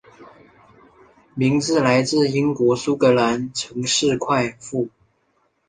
名字来自英国苏格兰城市快富。